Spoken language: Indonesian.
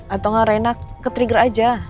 atau rena ketrigger aja